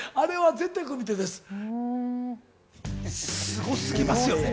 すごすぎますよね。